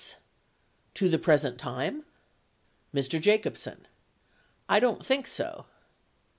To the present time ? Mr. Jacobsen. I don't think so.